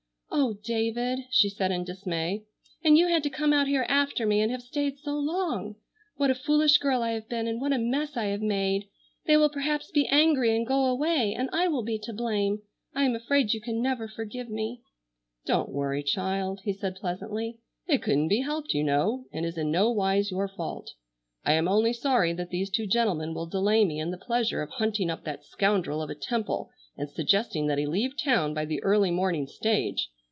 "Oh, David!" she said in dismay. "And you had to come out here after me, and have stayed so long! What a foolish girl I have been and what a mess I have made! They will perhaps be angry and go away, and I will be to blame. I am afraid you can never forgive me." "Don't worry, child," he said pleasantly. "It couldn't be helped, you know, and is in no wise your fault. I am only sorry that these two gentlemen will delay me in the pleasure of hunting up that scoundrel of a Temple and suggesting that he leave town by the early morning stage.